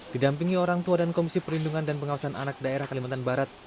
didampingi orang tua dan komisi perlindungan dan pengawasan anak daerah kalimantan barat